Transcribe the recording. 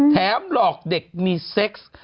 แถมหลอกเด็กมีเส็กซ์